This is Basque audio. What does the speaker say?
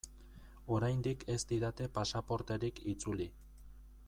Oraindik ez didate pasaporterik itzuli.